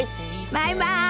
バイバイ！